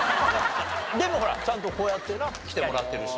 でもほらちゃんとこうやってな来てもらってるし。